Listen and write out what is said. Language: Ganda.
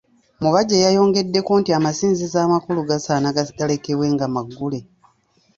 Mubajje yayongeddeko nti amasinzizo amakulu gasaana galekebwe nga maggule.